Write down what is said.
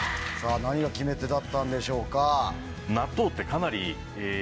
何が決め手だったんでしょうか？